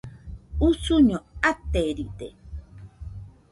Usuño ateride